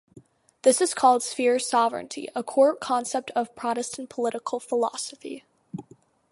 This is called sphere sovereignty, a core concept of Protestant political philosophy.